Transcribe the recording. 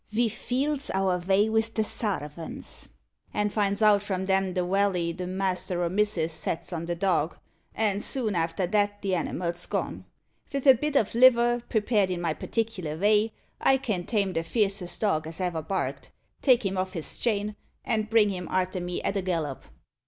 Ve feels our vay with the sarvents, and finds out from them the walley the master or missis sets on the dog, and soon after that the animal's gone. Vith a bit o' liver, prepared in my partic'lar vay, I can tame the fiercest dog as ever barked, take him off his chain, an' bring him arter me at a gallop."